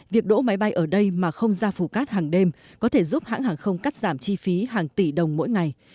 việc đỗ máy bay ở đây mà không ra phủ cát hàng đêm có thể giúp hãng hàng không cắt giảm chi phí hàng tỷ đồng mỗi ngày